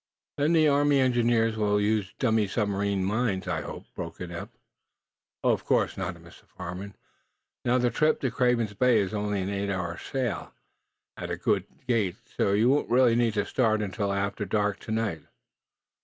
"Then the Army engineer officers will use dummy submarine mines, I hope," broke in Eph. "Oh, of course," nodded Mr. Farnum. "Now, the trip to Craven's Bay is only an eight hour sail at a good gait, so you won't really need to start until after dark to night."